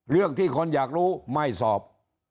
เรื่องที่คนอยากรู้ไม่สอบ